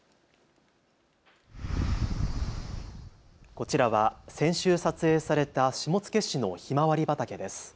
こちらは先週、撮影された下野市のひまわり畑です。